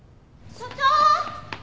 所長！